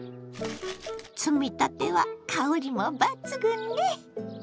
摘みたては香りも抜群ね！